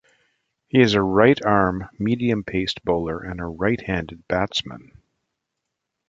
He is a right-arm medium-pace bowler and a right-handed batsman.